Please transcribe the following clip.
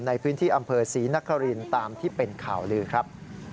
ในพื้นที่อำเภอศรีนครินตามที่เป็นข่าวลือครับ